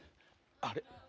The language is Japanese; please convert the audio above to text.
あれ？